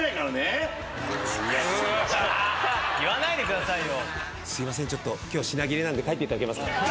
・言わないでくださいよ。